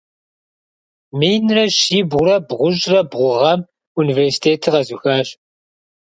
Минрэ щибгъурэ бгъущӏрэ бгъу гъэм университетыр къэзыухащ.